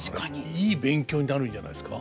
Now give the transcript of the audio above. いい勉強になるんじゃないですか。